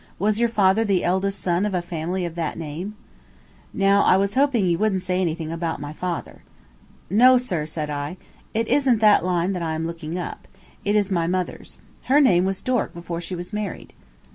Was your father the eldest son of a family of that name?" Now I was hoping he wouldn't say anything about my father. "No, sir," said I; "it isn't that line that I am looking up. It is my mother's. Her name was Dork before she was married."